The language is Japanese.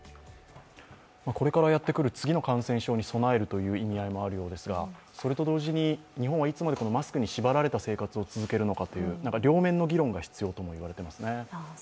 これからやってくる次の感染症に備えるという意味合いもあるようですが、それと同時に日本はいつまでマスクに縛られた生活が必要なのか両面の議論が必要ともいわれていますね。